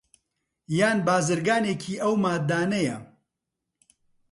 یان بازرگانێکی ئەو ماددانەیە